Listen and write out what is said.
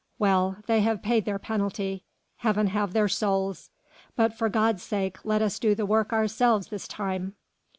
Well! they have paid their penalty. Heaven have their souls! But for God's sake let us do the work ourselves this time."